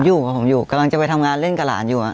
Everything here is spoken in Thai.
อยู่กับผมอยู่กำลังจะไปทำงานเล่นกับหลานอยู่